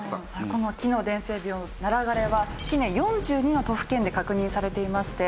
この木の伝染病ナラ枯れは近年４２の都府県で確認されていまして